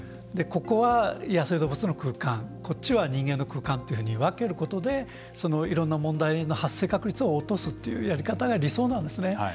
ここは野生動物の空間こっちは人間の空間と分けることで、いろんな問題の発生確率を落とすというやり方が理想なんですね。